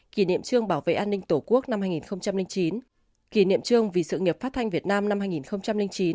kỷ niệm trương bảo vệ an ninh tổ quốc năm hai nghìn chín kỷ niệm trương vì sự nghiệp phát thanh việt nam năm hai nghìn chín